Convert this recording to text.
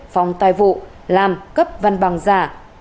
phòng tài vụ làm cấp văn bằng giả